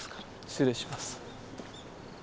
失礼します。